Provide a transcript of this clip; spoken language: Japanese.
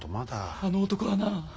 あの男はな